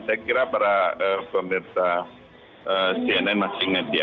saya kira para pemirsa cnn masih ingat ya